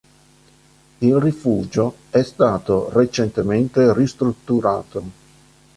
Il rifugio è stato recentemente ristrutturato.